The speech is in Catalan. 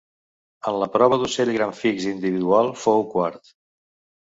En la prova d'ocell gran fix individual fou quart.